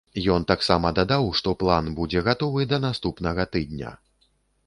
Ён таксама дадаў, што план будзе гатовы да наступнага тыдня.